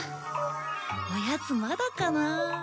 おやつまだかな？